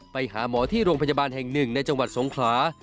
ไปหาหมอที่โรงพยาบาลแห่งหนึ่งในจังหวัดสงขลา